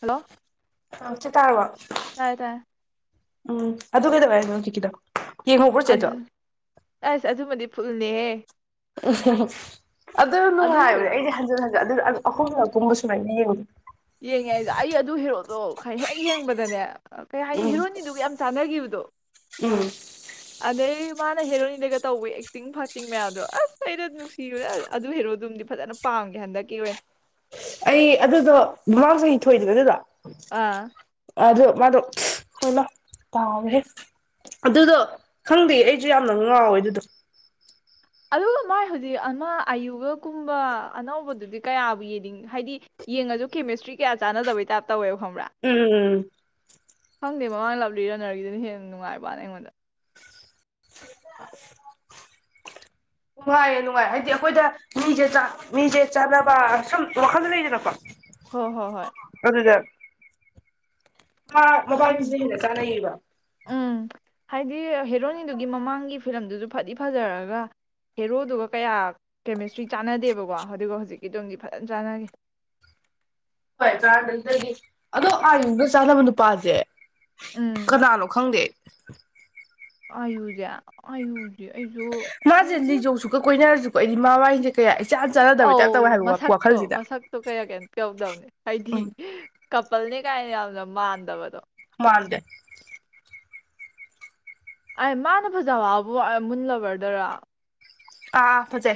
hello ꯃꯆ ꯇꯥꯕ ꯇꯥꯏꯌꯦ ꯇꯥꯏꯌꯦ ꯎꯝ ꯑꯗꯨ ꯀꯩꯗꯧꯕ ꯍꯥꯏꯅꯣ ꯀꯤꯀꯤꯗꯣ ꯑ ꯑꯁ ꯑꯗꯨ ꯑꯗꯨ ꯃꯗꯤ ꯐꯨꯜꯅꯦꯍꯦ ꯑ ꯑꯗꯨ ꯅꯨꯡꯉꯥꯏꯕꯅꯦ ꯑꯩꯗꯤ ꯍꯟ ꯍꯟꯦ ꯑꯗꯨ ꯑꯍꯨꯝꯂꯛꯀꯨꯝꯕ ꯁꯨꯃꯥꯏꯅ ꯌꯦꯡꯉꯤ ꯌꯦꯡꯉꯦꯗ ꯑꯩ ꯑꯗꯨ ꯍꯦꯔꯣꯗꯣ ꯈꯔ ꯍꯦꯛ ꯌꯦꯡꯕꯗꯅꯦ ꯀꯩ ꯍꯥꯏꯅꯤ ꯎꯝ ꯍꯤꯔꯣꯅꯤꯗꯨꯒ ꯌꯥꯝ ꯆꯥꯟꯅꯈꯤꯕꯗꯣ ꯎꯝ ꯑꯗꯩ ꯃꯥꯅ ꯍꯦꯔꯣꯏꯟꯗꯒ ꯇꯧꯕ ꯑꯦꯛꯇꯤꯡ ꯐꯥꯛꯇꯤꯡ ꯃꯌꯥꯝꯗꯣ ꯑꯁ ꯑꯩꯩꯅ ꯅꯨꯡꯁꯤꯔ ꯑꯗꯨ ꯍꯦꯔꯣꯗꯨꯝꯗꯤ ꯐꯖꯅ ꯄꯥꯝꯒꯦ ꯍꯟꯗꯛꯀꯤ ꯑꯣꯏꯅ ꯑꯩ ꯑꯗꯨꯗꯣ ꯃꯃꯥꯡ ꯆꯍꯤ ꯊꯣꯛꯣꯏꯗꯕ ꯑꯗꯨꯗ ꯑꯥ ꯍ ꯑꯗꯣ ꯃꯥꯗꯣ ꯍꯣꯏꯅ ꯇꯥꯔꯦ ꯑꯗꯨꯗꯣ ꯈꯪꯗꯦ ꯑꯩꯁꯨ ꯌꯥꯝꯅ ꯉꯥꯎꯋꯦ ꯑꯗꯨꯗꯣ ꯑꯗꯨꯒ ꯃꯥꯏ ꯍꯧꯖꯤꯛ ꯑꯃ ꯑꯌꯨꯒꯀꯨꯝꯕ ꯑꯅꯧꯕꯗꯨꯗꯤ ꯀꯌꯥꯕꯨ ꯌꯦꯡꯅꯤꯡ ꯍꯥꯏꯗꯤ ꯌꯦꯡꯉꯁꯨ ꯀꯦꯃꯤꯁꯇ꯭ꯔꯤ ꯀꯌꯥ ꯆꯥꯟꯅꯗꯕꯩ ꯇꯥꯏꯞ ꯇꯧꯋꯦꯕ ꯈꯪꯕ꯭ꯔꯥ ꯎꯝꯝ ꯈꯪꯗꯦ ꯃꯃꯥꯡ ꯂꯥꯞꯂꯤ ꯔꯟꯅꯔꯒꯤꯗꯨꯅ ꯍꯦꯟꯅ ꯅꯨꯡꯉꯥꯏꯕꯅ ꯑꯩꯉꯣꯟꯗ ꯅꯨꯡꯉꯥꯏꯌꯦ ꯅꯨꯡꯉꯥꯏ ꯍꯥꯏꯗꯤ ꯑꯩꯈꯣꯏꯗ ꯃꯤꯁꯦ ꯃꯤꯁꯦ ꯆꯥꯅꯕ ꯁꯨꯝ ꯋꯥꯈꯜꯗ ꯂꯩꯗꯅꯀꯣ ꯍꯣꯏ ꯍꯣ ꯍꯣꯏ ꯍꯥ ꯈꯪ ꯃꯣꯕꯥꯏꯜꯁꯤꯁꯨ ꯍꯦꯟꯅ ꯆꯥꯟꯅꯩꯌꯦꯕ ꯎꯝ ꯍꯥꯏꯗꯤ ꯍꯦꯔꯣꯅꯤꯗꯨꯒꯤ ꯃꯃꯥꯡꯒꯤ ꯐꯤꯂꯝꯗꯨꯁꯨ ꯐꯗꯤ ꯐꯖꯔꯒ ꯍꯦꯔꯣꯗꯨꯒ ꯀꯌꯥ ꯀꯦꯃꯤꯁꯇ꯭ꯔꯤ ꯆꯥꯟꯅꯗꯦꯕꯀꯣ ꯑꯗꯨꯒ ꯍꯧꯖꯤꯛꯀꯤꯗꯣꯝꯗꯤ ꯐꯖꯅ ꯆꯥꯟꯅꯒꯦ ꯍꯣꯏ ꯇꯔꯥꯗꯒꯤ ꯑꯗꯣ ꯑꯥꯔꯤꯗꯨꯗ ꯆꯥꯅꯕ ꯅꯨꯄꯥꯁꯦ ꯎꯝ ꯀꯅꯥꯅꯣ ꯈꯪꯗꯦ [inaudible] ꯑꯌꯨꯖ ꯑꯌꯨ ꯃꯥꯁꯦ ꯂꯤꯖꯧꯁꯨꯀ ꯀꯣꯏꯅꯔꯁꯨ ꯑꯩꯗꯤ ꯃꯥꯥ ꯋꯥꯏꯟꯁꯦ ꯀꯌꯥ ꯏꯆꯥꯟ ꯆꯥꯟꯅꯗꯕꯩ ꯑꯧ ꯇꯥꯏꯞ ꯇꯧꯋꯦ ꯍꯥꯏꯕ ꯃꯁꯛꯇꯣ ꯋꯥꯈꯜꯁꯤꯗ ꯃꯁꯛꯇꯣ ꯀꯌꯥ ꯀꯌꯥ ꯌꯥꯎꯗꯕꯅꯦ ꯍꯥꯏꯗꯤ ꯎꯝ ꯀꯄꯜꯅꯤ ꯀꯥꯏꯅ ꯌꯥꯝꯅ ꯃꯥꯟꯗꯕꯗꯣ ꯜꯗ ꯑꯦ ꯃꯥꯅ ꯐꯖꯕꯕꯨ ꯃꯨꯜꯂꯕ꯭ꯔꯗꯔ ꯑꯥ ꯐꯖꯦ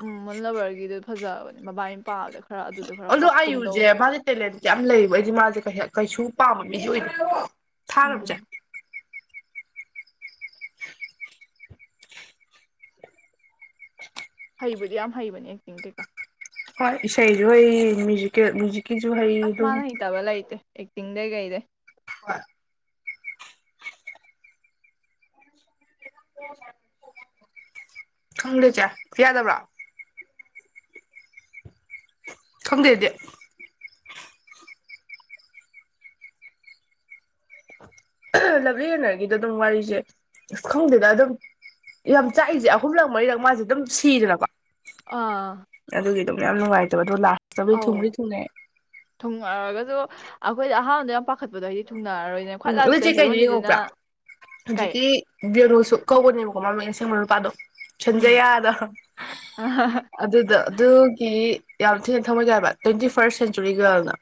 ꯎꯝ ꯃꯨꯜꯂꯕꯔꯒꯤꯗꯣ ꯐꯖꯕꯅꯦ ꯃꯕꯥ ꯃꯄꯥꯗ ꯈꯔ ꯈꯔ ꯑꯗꯨꯗ ꯄꯛꯀꯨꯝ ꯑꯌꯨꯁꯦ ꯇꯧꯕꯅꯦ ꯃꯥꯁꯦ ꯇꯦꯂꯦꯟꯁ ꯌꯥꯝ ꯂꯩꯕ ꯑꯩꯗꯤ ꯃꯥꯁꯦ ꯀꯩꯁꯨ ꯄꯥꯝꯝꯕꯅꯦ ꯑꯣꯏꯅ ꯊꯥꯔꯕꯁꯦ ꯎꯝ ꯍꯩꯕꯨꯗꯤ ꯌꯥꯝ ꯍꯩꯕꯅꯦ ꯑꯦꯛꯇꯤꯡ ꯀꯩꯀꯥ ꯍꯣꯏ ꯏꯁꯩꯁꯨ ꯑꯩ ꯃ꯭ꯌꯨꯖꯤꯀꯦꯜꯨ ꯑꯁ ꯃꯥꯅ ꯍꯇꯕꯂ ꯑ ꯇꯤꯟꯗꯦꯒ ꯏꯗ ꯍ ꯍ ꯈꯪ꯭ꯔꯦ ꯆꯦ ꯀ ꯌꯥꯗꯕ꯭ꯔꯥ ꯈꯪꯗꯦꯗꯦ ꯂꯞꯂꯅꯒꯤꯗ ꯑꯗꯨꯝ ꯋꯥꯔꯤꯁꯦ ꯑꯁ ꯈꯪꯗꯦꯗ ꯑꯗꯨꯝ ꯌꯥꯝ ꯆꯥꯛꯏꯁꯦ ꯑꯍꯨꯝꯂꯛ ꯃꯔꯤꯔꯛ ꯃꯥꯁꯦ ꯑꯗꯨꯝ ꯁꯤꯗꯅꯀꯣ ꯑꯥ ꯑꯗꯨꯒꯤ ꯑꯗꯨꯝ ꯌꯥꯝ ꯅꯨꯡꯉꯥꯏꯇꯕ ꯑꯗꯣ ꯂꯥꯛ ꯑꯧ ꯊꯨꯡꯉꯛꯔꯒꯁꯨ ꯑꯩꯈꯣꯏꯗ ꯑꯍꯥꯟꯕꯗ ꯌꯥꯝ ꯄꯥꯈꯠꯄꯗꯣ ꯍꯥꯏꯗꯤ ꯊꯨꯡꯅꯔꯔꯣꯏꯅꯦ ꯈ꯭ꯋꯥꯏ ꯎꯝ ꯂꯥꯁꯇ ꯑꯗꯨꯆꯦ ꯀꯩꯗ ꯍꯦꯔꯣꯅꯤꯗꯨꯅ ꯌꯡꯍꯧꯕ꯭ꯔꯥ ꯀꯩ ꯍꯧꯖꯤꯛꯀꯤ ꯕꯅꯨꯁꯨ ꯀꯧꯕꯅꯦꯕ ꯀꯃ ꯃꯁꯦ ꯃ ꯔꯨꯄꯥꯗꯣ ꯎꯝ ꯁꯟꯖꯌꯥꯗ ꯑꯗꯨꯗ ꯑꯗꯨꯒꯤ ꯌꯥꯝ ꯊꯤꯅ ꯊꯝꯃꯒꯦ ꯍꯥꯏꯕ ꯇ꯭ꯋꯦꯟꯇꯤ ꯐꯥꯔꯁ ꯁꯦꯟꯆꯨꯔꯤ ꯒꯔꯜꯅ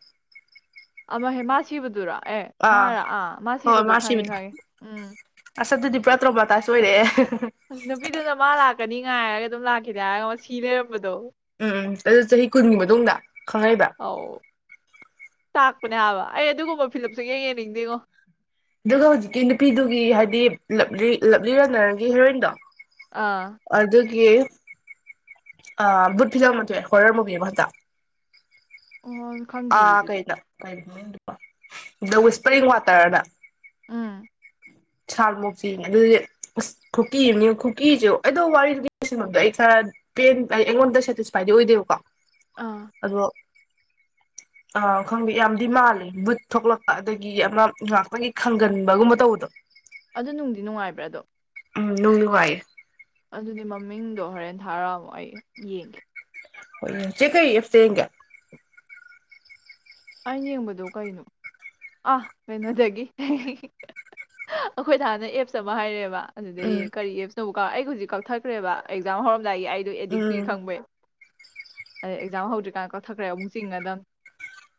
ꯑꯃ ꯍꯦꯃꯥ ꯁꯤꯕꯗꯨꯔ ꯑꯦ ꯃꯥꯔ ꯑꯥ ꯃꯥ ꯁꯤꯕꯗꯣ ꯈꯪꯉꯤ ꯈꯪꯉꯤ ꯎꯝ ꯆꯥ ꯇ꯭ꯔꯣꯕꯇꯥꯏ ꯁꯣꯏꯔꯛꯑꯦ ꯑꯁ ꯅꯨꯄꯤꯗꯨꯅ ꯃꯥ ꯂꯥꯛꯀꯅꯤ ꯉꯥꯏꯔꯒ ꯑꯗꯨꯝ ꯂꯥꯛꯈꯤꯗ ꯁꯤꯅꯦꯦ ꯃꯕꯗꯣ ꯇ ꯆꯍꯤ ꯀꯨꯟꯒꯤ ꯃꯇꯨꯡꯗ ꯈꯪꯉꯥꯏꯗ ꯑꯧ ꯇꯥꯛꯄꯅꯦ ꯍꯥꯏꯕ ꯑꯩ ꯑꯗꯨꯒꯨꯝꯕ ꯐꯤꯂꯞꯁ ꯌꯦꯡ ꯌꯦꯡꯅꯤꯡꯗꯦꯉꯣ ꯑꯗꯨꯒ ꯍꯧꯖꯤꯛꯀꯤ ꯅꯨꯄꯤꯗꯨꯒꯤ ꯍꯥꯏꯗꯤ ꯂꯞꯂꯤ ꯂꯞꯂꯤ ꯔꯅꯔꯒꯤ ꯍꯦꯔꯣꯏꯟꯗꯣ ꯑꯥ ꯌꯦ ꯑ ꯕꯨꯠ ꯐꯤꯂꯝ ꯑꯃ ꯊꯣꯀ ꯑꯦ ꯍꯣꯔꯔ ꯃꯨꯚꯤ ꯑꯃ ꯍꯟꯇꯛ ꯑꯣ ꯈꯪꯗꯤꯌꯦ ꯑꯥ ꯑꯗꯨꯗꯤ ꯀꯩꯗ ꯀ ꯗ ꯋꯤꯁꯄ꯭ꯔꯤꯡ ꯋꯥꯇꯔꯅ ꯎꯝ ꯁꯥꯔ ꯃꯣꯛꯆꯤꯅꯦ ꯑꯗꯨꯗꯤ ꯑꯁ ꯈꯨꯀꯤ ꯑꯃꯅꯦ ꯈꯨꯀꯤꯖꯨ ꯑꯩꯗꯣ ꯋꯥꯔꯤꯗꯨꯗꯤ [unintelligible] ꯑꯩ ꯈꯔ ꯄꯦꯟ ꯑꯩꯉꯣꯟꯗ ꯁꯦꯇꯤꯁꯐꯥꯏꯗꯤ ꯑꯣꯏꯗꯦꯕꯀꯣ ꯑꯥ ꯑꯗꯣ ꯑꯥ ꯈꯪꯗꯦ ꯌꯥꯝꯗꯤ ꯃꯥꯂꯦ ꯕꯨꯠ ꯊꯣꯛꯂꯛꯄ ꯑꯗꯒꯤ ꯑꯃ ꯉꯥꯛꯇꯒꯤ ꯈꯪꯒꯟꯕꯒꯨꯝꯕ ꯇꯧꯕꯗꯣ ꯑꯗꯨ ꯅꯨꯡꯗꯤ ꯅꯨꯡꯉꯥꯏꯕ꯭ꯔꯥ ꯑꯗꯣ ꯎꯝ ꯅꯨꯡ ꯅꯨꯉꯥꯏꯌꯦ ꯑꯗꯨꯗꯤ ꯃꯃꯤꯡꯗꯣ ꯍꯣꯔꯦꯟ ꯊꯥꯔ ꯑꯝꯃꯨ ꯑꯩ ꯌꯦꯡꯒꯦ ꯍꯣꯏ ꯌꯦꯡ ꯆꯦ ꯀꯩ ꯑꯦꯞꯁ ꯇ ꯌꯦꯡꯒꯦ ꯑꯩꯅ ꯌꯦꯡꯕꯗꯣ ꯀꯩꯅꯣ ꯑꯥ ꯀꯩꯅꯣꯗꯒꯤ ꯑꯈꯣꯏꯗꯥ ꯅ ꯑꯦꯞꯁ ꯑꯃ ꯍꯥꯏꯔꯦꯕ ꯑꯗꯨꯗ ꯎꯝ ꯌꯦꯡ ꯀꯔꯤ ꯑꯦꯞꯁ ꯅꯣꯕꯧ ꯀ ꯑꯩ ꯍꯧꯖꯤꯛ ꯀꯛꯊꯠꯈ꯭ꯔꯦꯕ ꯑꯦꯛꯖꯥꯝ ꯍꯧꯔ ꯗꯥꯏꯒꯤ ꯑꯩꯗꯣ ꯎꯝ ꯑꯦꯗꯤꯛꯇꯨꯏ ꯈꯪꯕꯩ ꯑꯩ ꯑꯦꯛꯖꯥꯝ ꯍꯧꯗ꯭ꯔꯤꯀꯥꯟ ꯀꯛꯊꯠꯈ꯭ꯔꯦ ꯑꯃꯨꯛ ꯆꯤꯡꯉꯗꯝꯅꯤ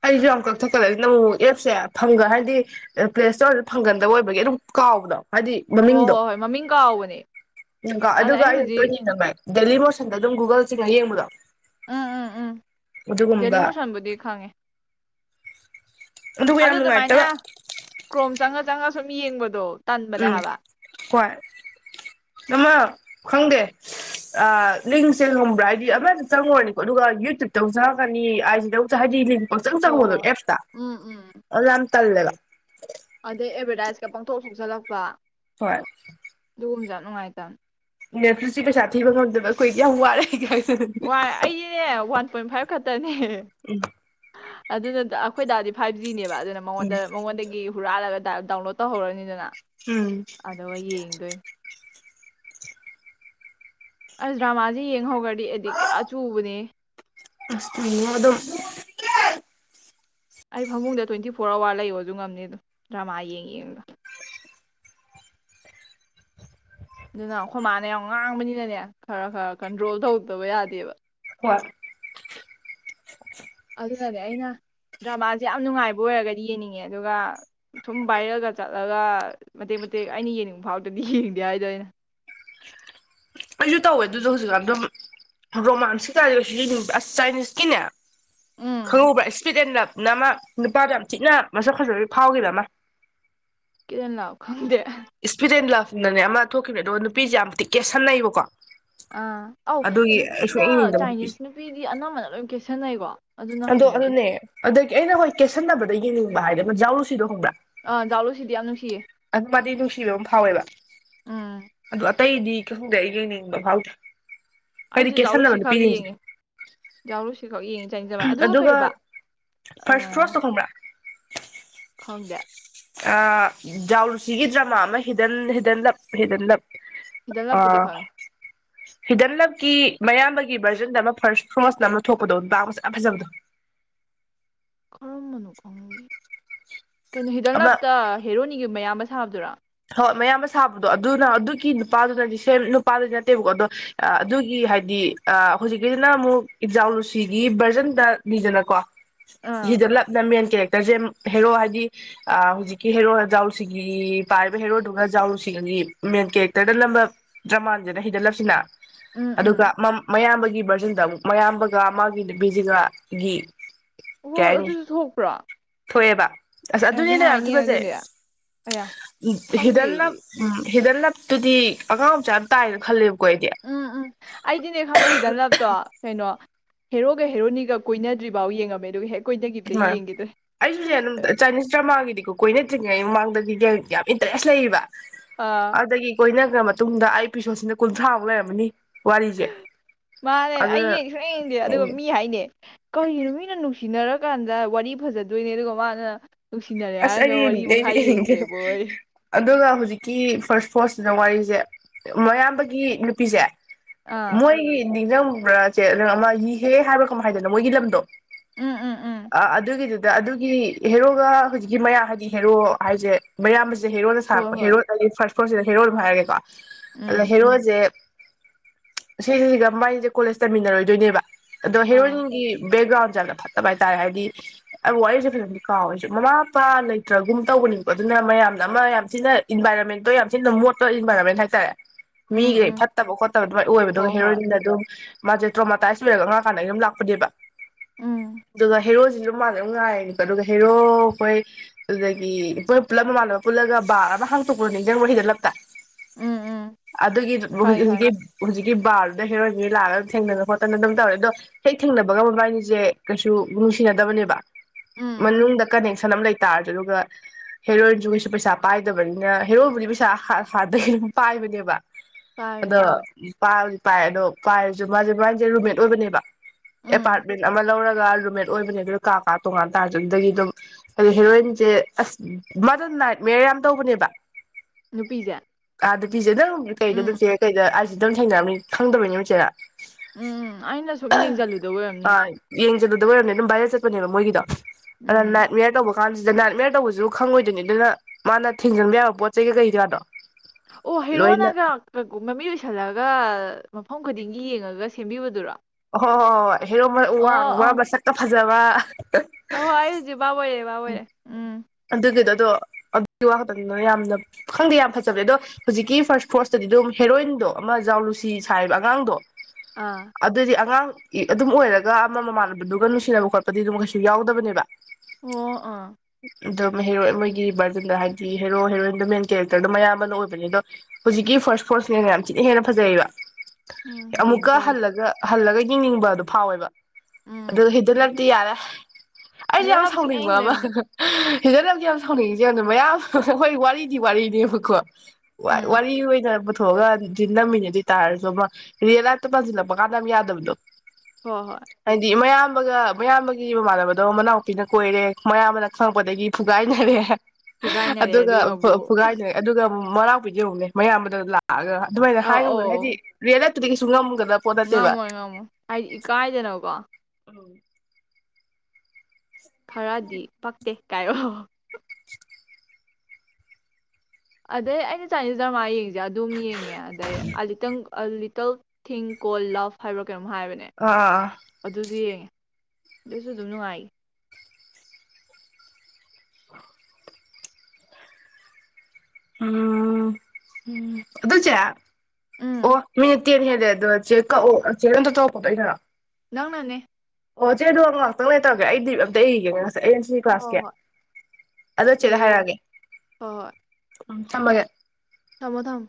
ꯑꯩ ꯖꯨ ꯌꯥꯝ ꯀꯛꯊꯠꯀꯜꯂꯦ ꯑꯗꯨꯅ ꯑꯃꯨꯃꯨꯛ ꯑꯦꯞꯁꯦ ꯐꯪꯒ ꯍꯥꯏꯗꯤ ꯄ꯭ꯂꯦ ꯏꯁꯇꯣꯔꯗ ꯐꯪꯒꯟꯗꯕ ꯑꯣꯏꯕꯒꯤ ꯑꯗꯨꯝ ꯀꯥꯎꯕꯗꯣ ꯍꯥꯏꯗꯤ ꯃꯃꯤꯡꯗꯣ ꯅꯦ ꯒ ꯑꯗꯨꯒ ꯑꯩꯅ ꯇꯣꯏ ꯌꯦꯡꯒꯟꯕꯥ ꯗꯦꯂꯤ ꯃꯣꯁꯟꯗ ꯑꯗꯨꯝ ꯒꯨꯒꯜ ꯆꯤꯡꯉ ꯍꯌꯦꯡꯕ [unintelligible] ꯎꯝ ꯎꯝ ꯎꯝ ꯗꯦꯂꯤ ꯃꯨꯁꯟꯕꯨꯗꯤ ꯈꯪꯉꯦ ꯑꯗꯨꯒ ꯑꯗꯨ ꯌꯥꯝ ꯑꯗꯨꯃꯥꯏꯅ ꯅꯨꯡꯉꯥꯏꯇꯕ ꯀ꯭ꯔꯣꯝ ꯆꯪꯉ ꯆꯪꯉ ꯁꯨꯝ ꯌꯦꯡꯕꯗꯣ ꯇꯟꯕꯅꯦ ꯎꯝ ꯍꯥꯏꯕ ꯍꯣꯏ ꯑꯃ ꯈꯪꯗꯦ ꯑ ꯂꯤꯡ ꯁꯦ ꯈꯪꯕ꯭ꯔꯥ ꯍꯥꯏꯗꯤ ꯑꯃꯗ ꯆꯪꯉꯨꯔꯅꯤꯀꯣ ꯑꯗꯨꯒ ꯌꯨꯇ꯭ꯌꯨꯕꯇ ꯑꯃꯨꯛ ꯆꯪꯉꯛꯀꯅꯤ ꯑꯥꯏꯖꯤꯗ ꯑꯃꯨꯛ ꯍꯥꯏꯗꯤ ꯂꯤꯡ ꯄꯪꯆꯪ ꯍꯣꯏ ꯆꯪꯕꯗꯣ ꯍꯣꯏ ꯑꯦꯞꯁꯇ ꯎꯝ ꯎꯝ ꯑꯗꯨ ꯌꯥꯝ ꯇꯜꯂꯦꯕ ꯑꯗꯩ ꯑꯦꯚꯔꯗꯥꯏꯁꯀ ꯄꯪꯊꯣꯛ ꯊꯣꯛꯆꯜꯂꯛꯄ ꯍꯣꯏ [unintelligible] ꯅꯨꯡꯉꯥꯏꯇꯝ ꯅꯦꯠꯐꯂꯤꯛꯁ ꯀꯤ ꯄꯩꯁꯥ ꯊꯤꯕ ꯉꯝꯗꯕ ꯑꯈꯣꯏꯗꯤ ꯌꯥꯝ ꯋꯥꯔꯦ ꯀꯥꯏꯗꯅ ꯋꯥ ꯑꯩꯗꯤꯅꯦ ꯋꯥꯟ ꯄꯣꯏꯟ ꯐꯥꯏꯚ ꯈꯇꯅꯦ ꯎꯝ ꯑꯗꯨꯅ ꯑꯈꯣꯏ ꯗꯥꯗꯤ ꯐꯥꯏꯚ ꯖꯤꯅꯦꯕ ꯕ ꯑꯗꯨꯅ ꯎꯝ ꯃꯉꯣꯟꯗ ꯃꯉꯣꯟꯗꯒꯤ ꯍꯨꯔꯜꯂꯒ ꯗꯥꯎꯟꯂꯣꯗ ꯇꯧꯍꯧꯔꯅꯤꯗꯅ ꯎꯝ ꯑꯗꯣ ꯌꯦꯡꯗꯣꯏꯅꯦ ꯑꯁ ꯗ꯭ꯔꯃꯥꯁꯦ ꯌꯦꯡꯍꯧꯈ꯭ꯔꯗꯤ ꯑꯦꯗꯤꯛ ꯄꯨꯔꯥ ꯆꯨꯕꯅꯦ ꯑꯁ ꯑ ꯑꯗꯨꯝ ꯑꯩ ꯐꯃꯨꯡꯗ ꯇ꯭ꯋꯦꯟꯇꯤ ꯐꯣꯔ ꯑꯋꯥꯔ ꯂꯩꯌꯣꯁꯨ ꯉꯝꯅꯤ ꯑꯗꯨꯝ ꯗ꯭ꯔꯃꯥ ꯌꯦꯡꯉ ꯌꯦꯡꯗꯣ [unintelligible] ꯑꯗꯨꯅ ꯑꯩꯈꯣꯏ ꯃꯥꯅ ꯌꯥꯝ ꯉꯥꯡꯕꯅꯤꯅꯅꯦ ꯈꯔ ꯈꯔ ꯀꯟꯇ꯭ꯔꯣꯜ ꯇꯧꯗꯕ ꯌꯥꯗꯦꯕ ꯍꯣꯏ ꯑꯗꯨꯅꯅꯦ ꯑꯩꯅ ꯗ꯭ꯔꯃꯥꯁꯦ ꯌꯥꯝ ꯅꯨꯡꯉꯥꯏꯕ ꯑꯣꯏꯔꯒꯗꯤ ꯌꯦꯡꯅꯤꯡꯉꯦ ꯑꯗꯨꯒ ꯁꯨꯝ ꯚꯥꯏꯔꯦꯜꯒ ꯆꯠꯂꯒ ꯃꯇꯦꯛ ꯃꯇꯦꯛ ꯑꯩꯅ ꯌꯦꯡꯅꯤꯡꯕ ꯐꯥꯎꯗꯗꯤ ꯌꯦꯡꯗꯦ ꯍꯥꯏꯗꯩꯅ ꯑꯩꯁꯨ ꯇꯧꯋꯦ ꯑꯗꯨꯗ ꯍꯧꯖꯤꯛꯀꯥꯟ ꯑꯗꯨꯝ ꯔꯣꯃꯥꯟꯁꯀꯤꯩꯀꯥꯗꯤ ꯑꯁ ꯆꯥꯏꯅꯤꯁꯀꯤꯅꯦ ꯎꯝ ꯈꯪꯉꯕ꯭ꯔꯥ ꯏꯁꯄꯤꯗꯦꯟꯗ ꯅꯃ ꯅꯨꯄꯥꯗꯣ ꯌꯥꯝ ꯊꯤꯅ ꯃꯁꯛ ꯈꯁꯨꯛꯖꯤ ꯐꯥꯎꯈꯤꯕ ꯑꯃ ꯀꯗ ꯂꯅꯥꯑꯣ ꯈꯪꯗꯦ ꯏꯁꯄꯤꯠ ꯑꯦꯟ ꯂꯞꯅꯅꯦ ꯑꯃ ꯊꯣꯛꯈꯤꯕꯅꯦ ꯑꯗꯣ ꯅꯨꯄꯤꯁꯦ ꯌꯥꯝ ꯇꯤꯛꯀꯦ ꯁꯥꯟꯅꯩꯕꯀꯣ ꯑꯥ ꯑꯧ ꯅꯨꯄꯤꯗ ꯁꯨꯡꯌꯦꯡ ꯌꯦꯡꯅꯤꯡꯗꯕ ꯅꯨꯄꯤꯁꯦ ꯆꯥꯏꯅꯤꯁ ꯅꯨꯄꯤꯗꯤ ꯑꯅꯝꯕꯅ ꯂꯣꯏ ꯀꯦꯠꯁꯟꯅꯩꯀꯣ ꯑꯗꯣ ꯑꯗꯨꯅꯦ ꯑꯗꯒꯤ ꯑꯩꯅ ꯍꯣꯏ ꯀꯦꯁꯟꯅꯕꯗ ꯕ ꯍꯥꯏꯅ ꯎꯔꯨꯁꯤꯗꯣ ꯈꯣꯡꯕꯥ ꯑꯥ ꯖꯥꯎꯂꯨꯁꯤꯗꯤ ꯌꯥꯝ ꯅꯨꯡꯁꯤꯌꯦ ꯑꯗꯨꯃꯗꯤ ꯅꯨꯡꯁꯤꯕ ꯑꯃ ꯐꯥꯎꯋꯦꯕ ꯎꯝ ꯑꯗꯨ ꯑꯇꯩꯗꯤ ꯈꯪ ꯈꯪꯗꯦ ꯑꯩ ꯌꯦ ꯂꯩꯅꯤꯡꯕ ꯐꯥꯎꯗ꯭ꯔꯥ ꯑꯩꯁꯨ ꯖꯥꯔꯨ ꯁꯤꯈꯛ ꯌꯦꯡꯉꯦ ꯖꯥꯔꯨꯁꯤꯈꯛ ꯌꯦꯡꯉꯁꯤꯦ ꯑꯗꯨꯒ ꯐꯥꯔꯁ ꯑꯥ ꯐ꯭ꯔꯣꯁꯇꯣ ꯈꯪꯕ꯭ꯔꯥ ꯈꯪꯗꯦ ꯑ ꯖꯥꯎꯔꯨꯁꯤꯒꯤ ꯗ꯭ꯔꯃꯥ ꯑꯃ ꯍꯤꯗ ꯍꯤꯗꯟꯂꯞ ꯍꯤꯗꯟꯂꯞ ꯜ ꯍꯥꯄꯨꯗꯤ ꯈꯥꯋ ꯍꯤꯗꯟꯂꯞꯀꯤ ꯃꯌꯥꯝꯕꯒꯤ ꯚꯔꯖꯟꯗ ꯑꯃ ꯐꯥꯔꯁ ꯐꯃꯁꯅ ꯑꯃ ꯊꯣꯛꯄꯗꯣ ꯄꯕꯁꯦ ꯌꯥꯝ ꯐꯖꯕꯗꯣ ꯈꯔꯝ ꯃꯅꯨ ꯀꯣꯡꯕꯤ ꯀꯩꯅꯣ ꯍꯤꯗꯥꯛ ꯑꯃ ꯂꯥꯞꯇ ꯍꯦꯔꯣꯅꯤꯒꯤ ꯃꯌꯥꯝ ꯁꯥꯕꯗꯨꯔꯥ ꯍꯣꯏ ꯃꯌꯥꯝ ꯑꯃ ꯁꯥꯕꯗꯣ ꯑꯗꯨꯅ ꯑꯗꯨꯒꯤ ꯅꯨꯄꯥꯗꯨꯅꯗꯤ ꯁꯦꯝ ꯅꯨꯄꯥꯗꯨꯗꯤ ꯅꯠꯇꯦꯕꯀꯣ ꯑꯗꯣ ꯑꯗꯨꯒꯤ ꯍꯥꯏꯗꯤ ꯑ ꯍꯧꯖꯤꯛꯀꯤꯁꯤꯅ ꯑꯃꯨꯛ ꯏꯟꯖꯥꯎ ꯂꯨꯁꯤꯒꯤ ꯚꯔꯖꯟꯗ ꯅꯤꯗꯅꯀꯣ ꯑꯥ ꯏꯗꯂ ꯅꯝꯕ ꯑꯅ ꯀꯦꯦ ꯇꯖꯦꯝ ꯍꯦꯔꯣ ꯍꯥꯏꯗꯤ ꯍꯧꯨꯖꯤꯛꯀꯤ ꯍꯦꯔꯣ ꯍꯖꯥꯎꯁꯤꯒꯤ ꯄꯥꯏꯕ ꯍꯦꯔꯣꯗꯨꯒ ꯥꯔꯨꯁꯤꯂꯒꯤ ꯃꯦꯟ ꯀꯦꯔꯦꯛꯇꯔꯗ ꯅꯝꯕ ꯗ꯭ꯔꯃꯥꯁꯤꯅ ꯍꯩꯗꯠꯂꯞꯁꯤꯅ ꯎꯝ ꯑꯗꯨꯒ ꯎꯝ ꯃꯌꯥꯝꯕꯒꯤ ꯒꯤ ꯚꯔꯖꯟꯗ ꯑꯃꯨꯛ ꯃꯌꯥꯝꯕꯒ ꯃꯥꯒꯤ ꯅꯨꯄꯤꯁꯤꯒꯒꯤ ꯍ ꯀꯩ ꯍꯥꯏꯅꯤ ꯑꯗꯨꯁꯨ ꯊꯣꯛꯄ꯭ꯔꯥ ꯊꯣꯛꯑꯦꯕ ꯑꯁ ꯑꯗꯨꯅꯦꯅꯦ ꯌꯥꯕ ꯊꯤ ꯐꯁꯦ ꯑꯌꯥ ꯈꯪꯗꯦ ꯍꯤꯗꯜꯅ ꯑꯩꯗꯤ ꯎꯝ ꯍꯤꯗ ꯂꯞꯇꯨꯗꯤ ꯑꯉꯥꯡ ꯃꯆꯥ ꯌꯥꯝ ꯇꯥꯏꯅ ꯈꯜꯂꯦꯕ ꯎꯝ ꯎꯝ ꯑꯩꯗꯤꯅꯦ ꯈꯪꯕ꯭ꯔ ꯍꯤꯗꯂꯞꯇꯣ ꯀꯩꯅꯣ ꯍꯦꯔꯣꯒ ꯍꯦꯔꯣꯅꯤꯒ ꯀꯣꯏꯅꯗ꯭ꯔꯤꯐꯥꯎ ꯌꯦꯡꯉꯝꯃꯦ ꯑꯗꯨꯒ ꯍꯦꯛ ꯀꯣꯏꯅꯈꯤꯕꯗ ꯍꯣꯏ ꯌꯦꯡꯈꯤꯗ꯭ꯔꯦ ꯑꯩꯁꯨꯁ ꯑꯗꯨꯝ ꯆꯥꯏꯅꯤꯁ ꯆꯥꯝꯃꯉꯥꯒꯤꯗꯤ ꯀꯣꯏꯅꯗ꯭ꯔꯤꯉꯩ ꯃꯃꯥꯡꯗꯒꯤꯗꯤ ꯌꯥꯝ ꯏꯟꯇꯔꯦꯁ ꯂꯩꯌꯦꯕ ꯑꯥ ꯑꯗꯒꯤ ꯀꯣꯏꯅ ꯈ꯭ꯔ ꯃꯇꯨꯡꯗ ꯑꯩ ꯄꯁꯣꯠꯁꯤꯅ ꯀꯨꯟꯊ꯭ꯔꯥꯃꯨꯛ ꯂꯩꯔꯃꯅꯤ ꯃꯥꯅꯦ ꯑꯩ ꯌꯦꯡ ꯁ ꯌꯦꯡꯗꯦ ꯑꯗꯨꯒ ꯃꯤ ꯍꯥꯏꯅꯦ ꯀꯔꯤꯒꯤꯅꯣ ꯃꯤꯅ ꯅꯨꯡꯁꯤꯅꯔꯀꯥꯟꯗ ꯋꯥꯔꯤ ꯐꯖꯗꯣꯏꯅꯦ ꯑꯗꯨꯒ ꯃꯥꯅ ꯅꯨꯡꯁꯤꯅꯔꯦ ꯑꯁ ꯍꯥꯏꯔꯒ ꯑꯩ ꯋꯥꯔꯤ ꯌꯦꯡꯅꯤꯡꯦ ꯃꯈꯥ ꯑꯩꯁꯨ ꯌꯦꯡꯅꯤꯡꯒꯦ ꯌꯦꯡꯗ꯭ꯔꯦꯕꯣꯏ ꯑꯗꯨꯒ ꯍꯧꯖꯤꯛꯀꯤ ꯐꯥꯔꯁ ꯐꯣꯔꯁꯁꯤꯅ ꯋꯥꯔꯤꯁꯦ ꯃꯌꯥꯝꯕꯒꯤ ꯅꯨꯄꯤꯁꯦ ꯑꯥ ꯃꯣꯏ ꯔꯝ ꯭ꯔꯦ ꯅꯪ ꯑꯃ ꯏꯍꯦ ꯍꯥꯏꯕ꯭ꯔꯥ ꯀꯃꯥꯏꯗꯅꯣ ꯃꯣꯏꯒꯤ ꯂꯝꯗꯣ ꯎꯝ ꯎꯝ ꯎꯝ ꯑ ꯑꯗꯨꯗꯒꯤꯗꯨ ꯑꯗꯨꯒꯤ ꯍꯦꯔꯣꯒ ꯍꯧꯖꯤꯛ ꯃꯌꯥ ꯍꯥꯏꯗꯤ ꯍꯦꯔꯣ ꯍꯥꯏꯁꯦ ꯃꯌꯥꯝ ꯍꯦꯔꯣꯗ ꯍꯣꯏ ꯁꯥꯄ ꯍꯣꯏ ꯍꯦꯔꯣ ꯐ ꯁꯤꯗ ꯍꯦꯔꯣꯜ ꯍꯥꯏꯔꯒꯀꯣ ꯑ ꯎꯝ ꯍꯦꯔꯣꯁꯦ ꯁꯤꯁꯤꯒ ꯕꯥꯏꯁꯦ ꯀꯣꯂꯦꯖ ꯇꯝꯃꯤꯟꯅꯔꯣꯏꯗꯣꯏꯅꯦꯕ ꯑꯗꯣ ꯑꯥ ꯍꯦꯔꯣꯅꯤꯒꯤ ꯕꯦꯛ ꯒ꯭ꯔꯥꯎꯟ ꯐꯠꯇꯕ ꯍꯥꯏꯇꯥꯔꯦ ꯍꯥꯏꯗꯤ ꯑꯩ ꯋꯥꯔꯤꯁꯦ ꯐꯖꯅꯗꯤ ꯀꯥꯎꯋꯦꯁꯨ ꯃꯃꯥ ꯅꯨꯄꯥ ꯂꯩꯇ꯭ꯔꯒꯨꯝ ꯇꯧꯕꯅꯤꯕꯣ ꯑꯗꯨꯅ ꯃꯌꯥꯝꯅ ꯑꯃ ꯌꯥꯝ ꯊꯤꯅ ꯏꯟꯚꯥꯏꯔꯣꯟꯃꯦꯟꯗꯣ ꯌꯥꯝ ꯊꯤꯅ ꯃꯣꯠꯄ ꯏꯟꯚꯥꯏꯔꯣꯟꯃꯦꯟ ꯍꯥꯏꯇꯥꯔꯦ ꯎꯝ ꯃꯤꯒ ꯎꯝ ꯐꯠꯇꯕ ꯈꯣꯠꯇꯕ ꯑꯗꯨꯃꯥꯏꯅ ꯑꯣꯏꯕ ꯑꯗꯨꯒ ꯍꯣꯏ ꯍꯣꯏ ꯍꯦꯔꯣꯏꯟꯗ ꯑꯗꯨꯝ ꯃꯥꯁꯦ ꯇ꯭ꯔꯣꯃꯥꯇꯥꯏꯁ ꯑꯣꯏꯔꯒ ꯉꯉꯥ ꯀꯥꯟꯅꯒ ꯌꯥꯝ ꯂꯥꯛꯄꯅꯦꯕ ꯎꯝ ꯑꯗꯨꯒ ꯍꯦ ꯔꯣ ꯁꯤ ꯂ ꯃꯥꯜꯂ ꯑꯗꯨ ꯉꯥꯏꯔꯅꯤꯀꯣ ꯑꯗꯨꯒ ꯍꯦꯔꯣ ꯍꯣꯏ ꯑꯗꯨꯗꯒꯤ ꯄꯨꯞ ꯄꯨꯜꯂꯞ ꯃꯃꯥꯟꯅꯕ ꯄꯨꯜꯂꯒ ꯕꯥꯔ ꯑꯃ ꯍꯥꯡꯇꯣꯛꯈ꯭ꯔꯣ ꯅꯤꯡꯖꯪ ꯃꯍꯩꯗꯂꯞꯇ ꯎꯝ ꯎꯝ ꯈꯪꯉꯦ ꯈꯪꯉꯦ [unintelligible] ꯒꯤ ꯕꯥꯜꯗꯨꯗ ꯍꯦꯔꯣꯏꯕ ꯂꯥꯛꯑꯒ ꯑꯗꯨꯝ ꯊꯦꯡꯅ ꯈꯣꯠꯇꯅ ꯑꯗꯨꯝ ꯇꯧꯔꯦ ꯑꯗꯣ ꯍꯦꯛ ꯊꯦꯡꯅꯕꯒ ꯃꯕꯥꯅꯤꯁꯦ ꯀꯩꯁꯨ ꯅꯨꯡꯁꯤꯅꯗꯕꯅꯦꯕ ꯎꯝ ꯃꯅꯨꯡꯗ ꯀꯅꯦꯛꯁꯟ ꯑꯃ ꯂꯩꯇ ꯇꯥꯔꯁꯨ ꯑꯗꯨꯒ ꯍꯦꯔꯣꯏꯟꯁꯨ ꯀꯩꯁꯨ ꯄꯩꯁꯥ ꯄꯥꯏꯗꯕꯅꯤꯅ ꯍꯦꯔꯣꯏꯕꯨꯗꯤ ꯄꯩꯁꯥ ꯍꯥꯟꯅꯗꯒꯤ ꯑꯗꯨꯝ ꯄꯥꯏꯕꯅꯦꯕ ꯄꯥꯏꯕꯅꯦ ꯑꯗꯨ ꯃꯥꯕꯨꯗꯤ ꯄꯜ ꯄꯥꯏ ꯑꯗꯣ ꯄꯥꯏꯔꯁꯨ ꯃꯥꯁꯦ ꯃꯥꯁꯦ ꯔꯨꯝꯃꯦꯠ ꯑꯣꯏꯕꯅꯦꯕ ꯎꯝ ꯑꯦꯄꯥꯔꯠꯃꯦꯟ ꯑꯃ ꯂꯧꯔꯒ ꯔꯨꯝꯃꯦꯠ ꯑꯣꯏꯕꯅꯦ ꯑꯗꯨꯗ ꯀꯥ ꯀꯥ ꯇꯣꯡꯉꯥꯟ ꯇꯥꯔꯁꯨ ꯑꯗꯨꯗꯒꯤ ꯑꯗꯨꯝ ꯑꯗꯣ ꯍꯦꯔꯣꯏꯟꯁꯦ ꯑꯁ ꯃꯗꫭ ꯅꯥꯏꯠ ꯃꯤꯌꯔ ꯌꯥꯝ ꯇꯧꯕꯅꯦꯕ ꯅꯨꯄꯤꯖꯦ ꯑꯥ ꯅꯨꯄꯤꯖꯦ ꯅꯪ ꯀꯩꯗ [unintelligible] ꯀꯩꯗ ꯑꯗꯨꯝ ꯊꯦꯡꯅꯔꯝꯅꯤ ꯈꯪꯗꯕꯩꯅꯦ ꯆꯦꯅ ꯎꯝ ꯑꯩꯅ ꯁꯨꯝ ꯌꯦꯡꯁꯤꯜꯂꯨꯗ ꯑꯣꯏꯔꯝꯅꯤ ꯌꯦꯡꯖꯜꯂꯨꯗꯕꯩ ꯑꫭꯏꯔꯝꯅꯤ ꯑꯗꯨꯝ ꯚꯥꯏꯔꯦꯜ ꯆꯠꯄ ꯅꯦꯕ ꯃꫭꯏꯒꯤꯗꫭ ꯑꯗ ꯎꯝ ꯅꯥꯠꯏ ꯃꯤꯌ꯭ꯔꯊꯧ ꯀꯥꯟꯁꯤꯗ ꯅꯥꯏꯠ ꯃꯦꯌꯥꯔ ꯇꯧꯕꯁꯨ ꯈꯪꯉꯣꯏꯗꯣꯏꯅꯤ ꯑꯗꯨꯅ ꯃꯥꯅ ꯊꯦꯡꯖꯤꯟꯕ ꯌꯥꯕ ꯄꯣꯠ ꯆꯩ ꯀꯩ ꯀꯥꯗꯣ ꯑꯣ ꯍꯩꯔꯣꯅꯒ [unintelligible] ꯃꯃꯤ ꯎꯥꯏꯁꯜꯂꯒ ꯃꯐꯝ ꯈꯨꯗꯤꯡꯒꯤ ꯌꯦꯡꯉꯒ ꯁꯦꯝꯕꯤꯕꯗꯨꯔꯣ ꯑꯣ ꯍꯣ ꯍꯣꯏ ꯍꯦꯔꯣꯗꯣ ꯋꯥꯡꯕ꯭ꯔꯥ ꯃꯁꯛꯀꯥ ꯖꯕ ꯑ ꯑꯩ ꯍꯧꯖꯤꯛ ꯚꯥꯞ ꯑꫭꯏꯔꯦ ꯚꯥꯞ ꯑꫭꯏꯔꯦ ꯎꯝ ꯑꯗꯨꯒꯤꯗꯣ ꯑꯗꯣ ꯑꯗꯨꯒꯤ ꯋꯥꯈꯛꯇꯗ ꯌꯥꯝꯅ ꯈꯪꯗꯦ ꯌꯥꯝ ꯐꯖꯕꯗ ꯑꯗꯣ ꯍꯧꯖꯤꯛꯀꯤ ꯐꯥꯔꯁ ꯐꯣꯔꯁꯇꯗꯤ ꯑꯗꯨꯝ ꯍꯦꯔꯣꯏꯟꯗꯣ ꯑꯃ ꯖꯥꯎ ꯂꯨꯁꯤ ꯁꯥꯔꯤꯕ ꯑꯉꯥꯡꯗꯣ ꯑꯥ ꯑꯗꯨꯗꯤ ꯑꯉꯥꯡ ꯑꯗꯨꯝ ꯑꯣꯏꯔꯒ ꯑꯃ ꯃꯃꯥꯟꯅꯕꯗꯨꯒ ꯅꯨꯡꯁꯤꯅꯕ ꯈꯣꯠꯄꯗꯤ ꯑꯗꯨꯝ ꯀꯩꯁꯨ ꯌꯥꯎꯗꯕꯅꯦꯕ ꯑꯣ ꯑꯥ ꯑꯗꯨꯝ ꯍꯦꯔꯣꯏ ꯃꯣꯏꯒꯤ ꯚꯔꯖꯟꯗ ꯍꯥꯏꯕꯗꯤ ꯍꯦꯔꯣ ꯍꯦꯔꯣꯏꯟꯗꯣ ꯃꯦꯟ ꯀꯦꯔꯦꯛꯇꯔꯗꯣ ꯃꯌꯥꯝꯕꯅ ꯑꯣꯏꯕꯅꯦ ꯑꯗꯣ ꯍꯧꯖꯤꯛꯀꯤ ꯐꯥꯔꯁ ꯐꯣꯔꯁꯤꯅ ꯌꯥꯝ ꯊꯤꯅ ꯍꯦꯟꯅ ꯐꯖꯩꯌꯦꯕ ꯎꯝ ꯌꯦꯡ ꯑꯃꯨꯛꯀ ꯇꯥꯔꯦ ꯍꯜꯂꯒ ꯍꯜꯂꯒ ꯌꯦꯡꯅꯤꯡꯕ ꯑꯗꯨ ꯐꯥꯎꯋꯦꯕ ꯎꯝ ꯑꯗꯨ ꯍꯤꯗꯜ ꯂꯛꯇꯤ ꯌꯥꯔꯦ ꯑꯩꯁꯦ ꯍꯤꯗꯥꯛ ꯌꯥꯝ ꯂꯥꯕꯤ ꯁꯨꯛꯌꯦꯡ ꯁꯥꯎꯅꯤꯡꯕ ꯑꯃ ꯌꯦꯡꯗꯕꯅꯦ ꯍꯤꯗꯜ ꯂꯞꯗꯤ ꯌꯥꯝ ꯁꯥꯎꯅꯤꯡꯉꯤꯁꯦ ꯌꯥꯝꯗ ꯃꯌꯥꯝ ꯑꯩꯈꯣꯏ ꯋꯥꯔꯤꯗꯤ ꯋꯥꯔꯤꯅꯦꯕꯀꯣ ꯋꯥꯔꯤ ꯎꯝ ꯋꯥꯔꯤ ꯑꯣꯏꯅ ꯄꯨ ꯊꯣꯛꯑꯒꯗꯤ ꯅꯝꯃꯤꯅ ꯑꯗꯨ ꯇꯥꯔꯁꯨ ꯔꯤꯌꯦꯜ ꯂꯥꯏꯐꯇ ꯄꯥꯁꯤꯜꯂꯛꯄ ꯀꯥꯟꯗ ꯑꯝ ꯌꯥꯗꯕꯗꯣ ꯍꯣꯏ ꯍꯣꯏ ꯍꯥꯏꯗꯤ ꯃꯌꯥꯝ ꯃꯌꯥꯝꯕꯒꯤ ꯃꯃꯥꯟꯅꯕꯤꯗꯣ ꯃꯅꯥꯎꯄꯤꯅ ꯀꯣꯏꯔꯦ ꯃꯌꯥꯝꯕꯅ ꯈꯪꯉꯛꯄꯗꯒꯤ ꯐꯨꯒꯥꯏꯅꯔꯦ ꯐꯨꯒꯥꯏꯅꯔꯦ ꯑꯗꯨꯒ ꯑꯃꯨꯛ ꯐꯨꯒꯥꯏꯅꯣꯏ ꯑꯗꯨꯒ ꯃꯅꯧꯄꯤꯗꫭ ꯌꯦꯡꯉꯨꯅꯦ ꯃꯌꯥꯝꯕꯗꯥ ꯑꯗꯨꯃꯥꯏꯅ ꯑꯧ ꯍꯥꯏ ꯉꯝꯒꯅꯤ ꯑꯧ ꯍꯥꯏꯗꯤ ꯔꯤ ꯁꯨꯡꯉꯝ ꯉꯝꯃꯣꯏ ꯉꯝꯃꯣꯏ ꯍꯥꯏꯗꯤ ꯏꯀꯥꯏꯗꯅꯀꯣ ꯎꯝ ꯈꯔꯗꯤ ꯄꯛꯇꯦ ꯀꯥꯏꯌꫭ ꯑꯗꯩ ꯑꯩꯅ ꯆꯥꯏꯅꯤꯁ ꯗꯔꯃꯥ ꯌꯦꯡꯁꯦ ꯑꯗꯨꯝ ꯌꯦꯡꯉꯦ ꯑꯗꯩ ꯑ ꯂꯤꯇꯜ ꯂꯤꯇꯜ ꯊꯤꯡ ꯀꯣꯜ ꯂꯞ ꯍꯥꯏꯔ ꯀꯩꯅꯣꯝ ꯍꯥꯏꯕꯅꯦ ꯑꯥ ꯑꯗꯨꯁꯨ ꯌꯦꯡꯉꯦ ꯁꯨꯁꯨ ꯅꯨ ꯑꯏ ꯎꯝ ꯎꯝ ꯑꯗꯨꯆꯦ ꯎꯝ ꯑꯣ ꯃꯤꯅꯠ ꯇꯦꯟ ꯍꯦꯜꯂꯦ ꯑꯗꯣ ꯆꯦꯛ ꯀꯛꯑꯣ ꯆꯦꯛ ꯑꯝꯇ ꯇꯧꯔꯛꯄꯗꯣ ꯑꯩꯅꯗꯣ ꯅꯪꯅꯅꯦ ꯑꯣ ꯆꯦ ꯑꯗꯨꯣ ꯉꯥꯛꯇꯪꯅꯦ ꯇꯧꯒꯦ ꯑꯩꯗꯤ ꯑꯝꯇ ꯏꯒꯦ ꯑꯩꯟ ꯁꯤ ꯍꯣꯏ ꯀ꯭ꯂꯥꯁ ꯍꯣꯏ ꯀꯦ ꯍꯣꯏ ꯑꯗ ꯆꯦꯂ ꯏꯔꯣ ꯏꯔꯣ ꯍꯥꯏꯔꯛꯑꯒꯦ ꯎꯝ ꯊꯃꯒ ꯆꯃꯗꯝ